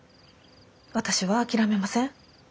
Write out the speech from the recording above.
私は諦めません。